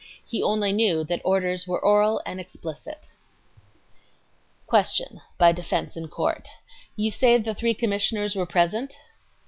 He only knew that "orders were oral and explicit." Q. [By defense in court You say the three commissioners were present?